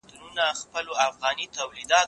ايا ته لوښي وچوې؟